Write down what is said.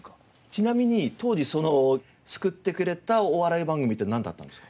ちなみに当時その救ってくれたお笑い番組ってなんだったんですか？